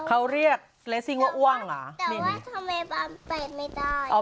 เขาเรียกเรซิงว่าอ้ว้างเหรอ